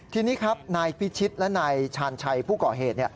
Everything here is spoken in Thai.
ทีนี้ครับนายพิชิตและนายชาญชัยผู้ก่อเหตุ